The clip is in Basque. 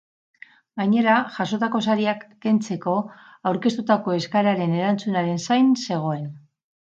Gainera, jasotako sariak kentzeko aurkeztutako eskaeraren erantzunaren zain zegoen.